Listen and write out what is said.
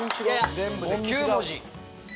全部で９文字。